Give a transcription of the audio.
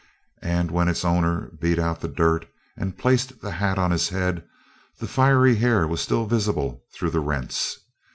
And when its owner beat out the dirt and placed the hat on his head, the fiery hair was still visible through the rents.